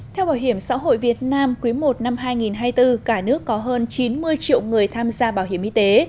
theo bảo hiểm xã hội việt nam quý i năm hai nghìn hai mươi bốn cả nước có hơn chín mươi triệu người tham gia bảo hiểm y tế